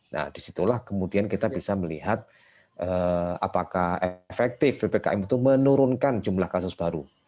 nah disitulah kemudian kita bisa melihat apakah efektif ppkm itu menurunkan jumlah kasus baru